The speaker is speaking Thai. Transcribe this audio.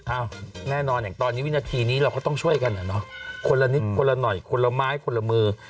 แน่นอนอย่างตอนนี้วินาทีนี้เราก็ต้องช่วยกันอ่ะเนอะคนละนิดคนละหน่อยคนละไม้คนละมือ